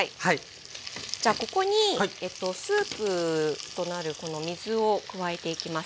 じゃあここにスープとなるこの水を加えていきます。